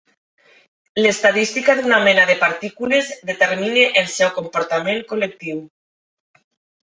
L'estadística d'una mena de partícules determina el seu comportament col·lectiu.